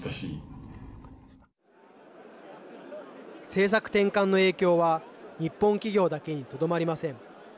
政策転換の影響は日本企業だけにとどまりません。